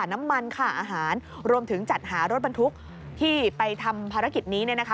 น้ำมันค่าอาหารรวมถึงจัดหารถบรรทุกที่ไปทำภารกิจนี้เนี่ยนะคะ